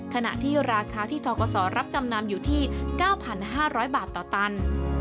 ขณะที่ราคาที่ทกศรับจำนำอยู่ที่๙๕๐๐บาทต่อตัน